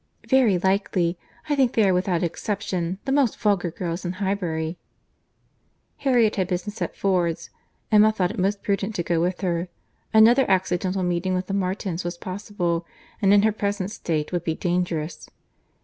"Very likely.—I think they are, without exception, the most vulgar girls in Highbury." Harriet had business at Ford's.—Emma thought it most prudent to go with her. Another accidental meeting with the Martins was possible, and in her present state, would be dangerous.